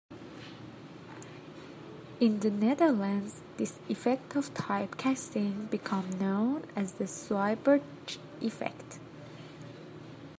In the Netherlands, this effect of typecasting became known as the "Swiebertje-effect".